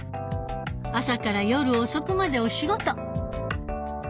朝から夜遅くまでお仕事。